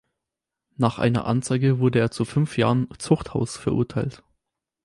Nach einer Anzeige wurde er zu fünf Jahren Zuchthaus verurteilt.